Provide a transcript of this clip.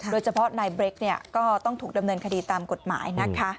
โดยเฉพาะนายเบรกก็ต้องถูกดำเนินคดีตามกฎหมายนะคะ